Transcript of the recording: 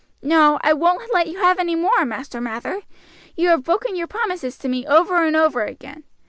"No, I won't let you have any more, Master Mather. You have broken your promises to me over and over again.